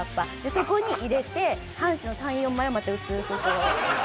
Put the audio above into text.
そこに入れて半紙の３４枚をまた薄くこうならして。